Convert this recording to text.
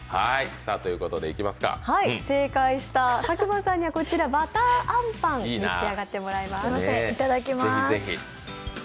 正解した佐久間さんには、ばたーあんパン、召し上がっていただきます。